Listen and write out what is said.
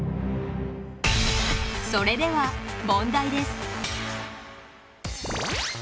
それでは問題です。